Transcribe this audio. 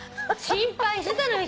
心配してたのよ